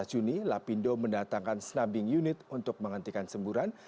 dua belas juni lapindo mendatangkan snubbing unit untuk menghentikan semburan